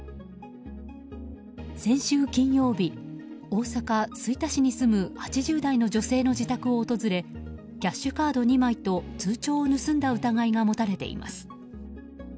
先週金曜日、大阪・吹田市に住む８０代の女性の自宅を訪れキャッシュカード２枚と通帳を盗んだ疑いが持たれています。